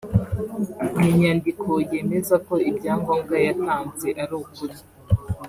n’inyandiko yemeza ko ibyangombwa yatanze ari ukuri